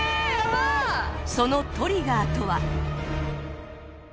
そのトリガーとは？